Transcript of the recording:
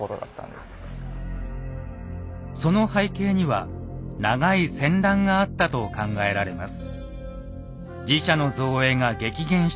その背景には長い戦乱があったと考えられます。